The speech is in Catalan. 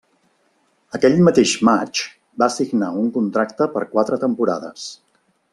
Aquell mateix maig va signar un contracte per quatre temporades.